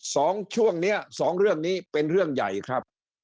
สองช่วงนี้สองเรื่องนี้เป็นเรื่องใหญ่ครับ